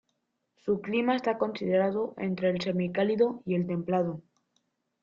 Su clima está considerado entre el semicálido y el templado.